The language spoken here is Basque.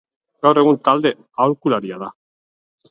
Gaur egun talde aholkularia da.